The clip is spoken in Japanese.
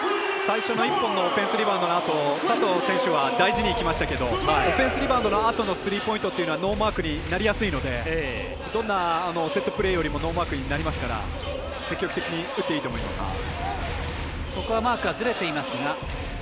最初の１本のオフェンスリバウンドのあと佐藤選手は大事にいきましたけどオフェンスリバウンドのあとのスリーポイントというのはノーマークになりやすいのでどんなセットプレーよりもノーマークになりますから積極的に打っていいと思います。